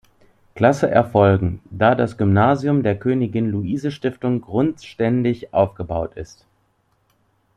Klasse erfolgen, da das Gymnasium der Königin-Luise-Stiftung grundständig aufgebaut ist.